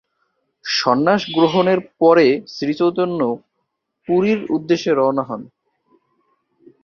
সন্ন্যাস গ্রহণের পরে শ্রীচৈতন্য পুরীর উদ্দেশ্যে রওয়ানা হন।